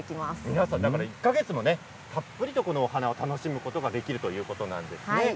皆さん、１か月もたっぷりとお花を楽しむことができるということなんですね。